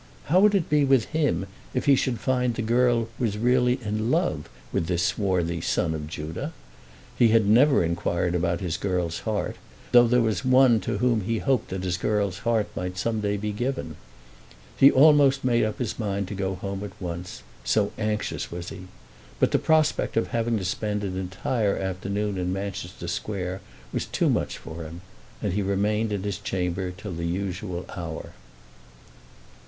How would it be with him if he should find that the girl was really in love with this swarthy son of Judah? He had never inquired about his girl's heart, though there was one to whom he hoped that his girl's heart might some day be given. He almost made up his mind to go home at once, so anxious was he. But the prospect of having to spend an entire afternoon in Manchester Square was too much for him, and he remained in his chamber till the usual hour.